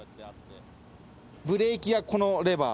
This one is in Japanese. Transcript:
ブレーキはこのレバー。